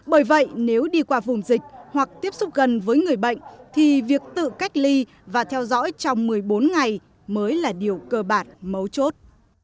bởi vậy nếu đi qua vùng dịch hoặc tiếp xúc gần với người bệnh thì việc tự cách ly và theo dõi trong một mươi bốn ngày mới là điều cơ bản mấu chốt